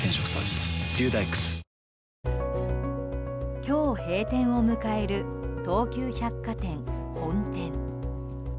今日閉店を迎える東急百貨店・本店。